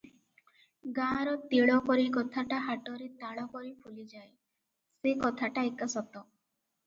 ଗାଁର ତିଳପରି କଥାଟା ହାଟରେ ତାଳପରି ଫୁଲିଯାଏ, ସେ କଥାଟା ଏକା ସତ ।